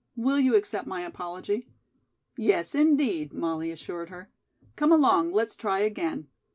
Will you accept my apology?" "Yes, indeed," Molly assured her. "Come along, let's try again.